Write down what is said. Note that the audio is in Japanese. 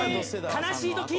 「悲しいとき」